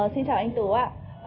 xin chào anh tù ạ